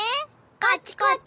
こっちこっち。